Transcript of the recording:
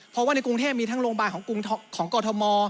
เพราะว่าในกรุงเทพมีทั้งโรงพยาบาลของกรทม